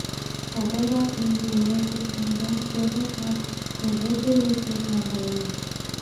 However, in the United Kingdom, "Geno" had previously reached number one.